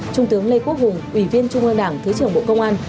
trung tướng lê quốc hùng ủy viên trung ương đảng thứ trưởng bộ công an